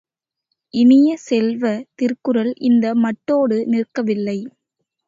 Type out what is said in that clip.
இனிய செல்வ, திருக்குறள் இந்த மட்டோடு நிற்கவில்லை.